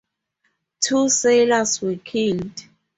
Two sailors were killed.